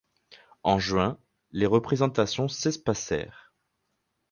En juin, les représentations s'espacèrent.